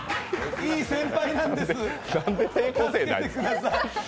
いい先輩なんです。